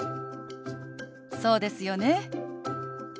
そうですよね。